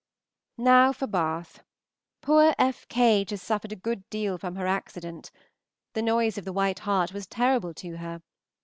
Now for Bath. Poor F. Cage has suffered a good deal from her accident. The noise of the White Hart was terrible to her.